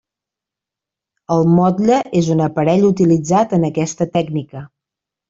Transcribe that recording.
El motlle és un aparell utilitzat en aquesta tècnica.